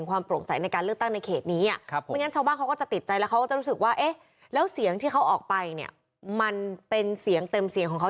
ว่าเอ๊ะแล้วเสียงที่เขาออกไปเนี่ยมันเป็นเสียงเติมเสียงของเขา